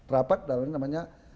rapat dalam namanya